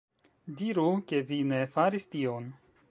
Diru, ke vi ne faris tion!